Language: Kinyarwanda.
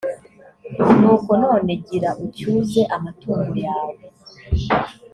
nuko none gira ucyuze amatungo yawe.